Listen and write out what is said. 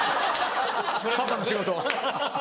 パパの仕事。